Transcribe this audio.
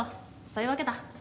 そういうわけだ。